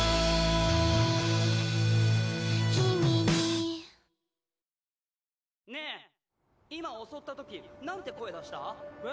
「君に」ねぇ今襲った時なんて声出した？え？